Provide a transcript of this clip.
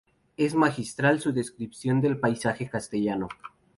Es magistral su descripción del paisaje castellano.